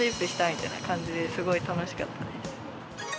みたいな感じですごい楽しかったです。